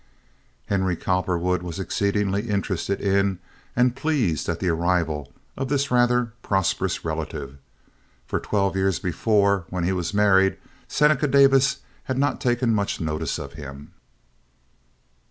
Henry Cowperwood was exceedingly interested in and pleased at the arrival of this rather prosperous relative; for twelve years before, when he was married, Seneca Davis had not taken much notice of him.